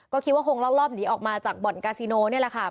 ก็คิดว่าคงลักลอบหนีออกมาจากบ่อนกาซิโนนี่แหละค่ะ